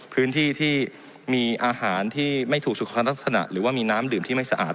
พื้นที่ที่มีอาหารที่ไม่ถูกสุขลักษณะหรือว่ามีน้ำดื่มที่ไม่สะอาด